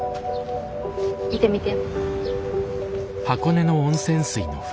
見てみて。